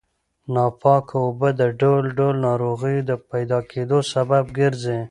ناپاکه اوبه د ډول ډول ناروغیو د پیدا کېدو سبب ګرځي.